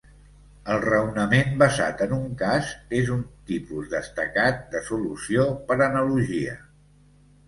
El raonament basat en un cas és un tipus destacat de solució per analogia.